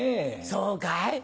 そうかい？